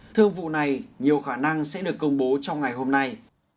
thương vụ này nhiều khả năng sẽ được công bố trong ngày hôm nay